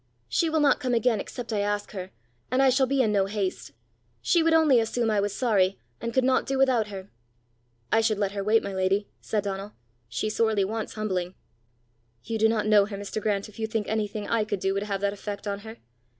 She will not come again except I ask her; and I shall be in no haste: she would only assume I was sorry, and could not do without her!" "I should let her wait, my lady!" said Donal. "She sorely wants humbling!" "You do not know her, Mr. Grant, if you think anything I could do would have that effect on her."